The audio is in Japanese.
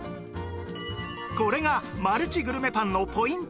これがマルチグルメパンのポイント